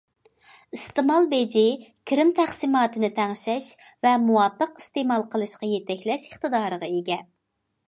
ئىستېمال بېجى كىرىم تەقسىماتىنى تەڭشەش ۋە مۇۋاپىق ئىستېمال قىلىشقا يېتەكلەش ئىقتىدارىغا ئىگە.